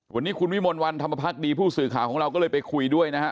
วันนี้คุณวิมลวันธรรมพักดีผู้สื่อข่าวของเราก็เลยไปคุยด้วยนะฮะ